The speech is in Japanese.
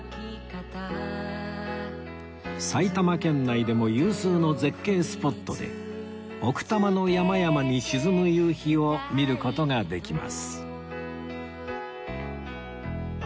埼玉県内でも有数の絶景スポットで奥多摩の山々に沈む夕日を見る事ができます